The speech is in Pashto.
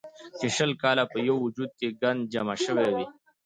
چې شل کاله پۀ يو وجود کښې ګند جمع شوے وي